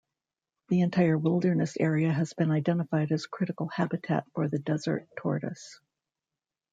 The entire wilderness area has been identified as critical habitat for the desert tortoise.